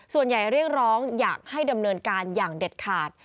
เรียกร้องอยากให้ดำเนินการอย่างเด็ดขาด